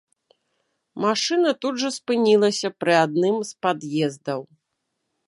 Машына тут жа спынілася пры адным з пад'ездаў.